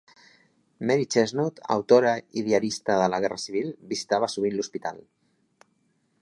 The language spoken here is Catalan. Mary Chesnut, autora i diarista de la Guerra Civil, visitava sovint l'hospital.